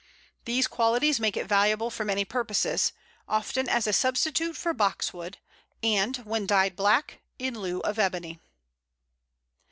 These qualities make it valuable for many purposes, often as a substitute for Box wood, and, when dyed black, in lieu of Ebony.